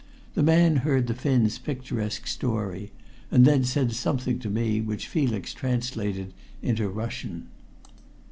The man heard the Finn's picturesque story, and then said something to me which Felix translated into Russian.